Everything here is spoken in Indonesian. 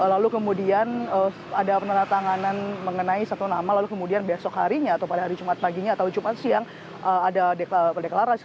lalu kemudian ada penelatanganan mengenai satu nama lalu kemudian besok harinya atau pada hari jumat paginya atau jumat siang ada deklarasi